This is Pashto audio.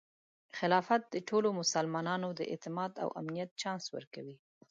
خلافت د ټولو مسلمانانو د اعتماد او امنیت چانس ورکوي.